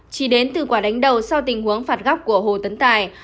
chỉ đến từ quả đánh đầu sau tình huống phạt góc của hồ tấn tài